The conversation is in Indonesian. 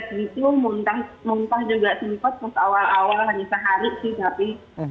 kemudian saya samit akses gitu muntah juga simpat awal awal hanya sehari sih tapi